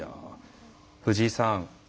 藤井さん